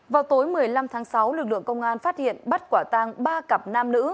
vào tối một mươi năm tháng sáu lực lượng công an phát hiện bắt quả tang ba cặp nam nữ